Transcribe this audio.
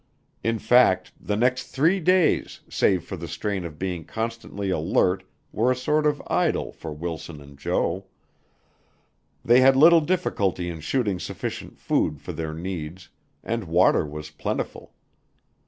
In fact, the next three days save for the strain of being constantly alert were a sort of idyl for Wilson and Jo. They had little difficulty in shooting sufficient food for their needs, and water was plentiful.